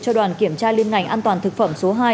cho đoàn kiểm tra liên ngành an toàn thực phẩm số hai